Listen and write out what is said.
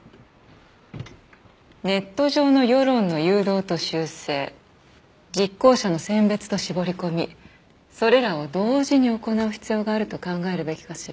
ネット上の世論の誘導と修正実行者の選別と絞り込みそれらを同時に行う必要があると考えるべきかしら。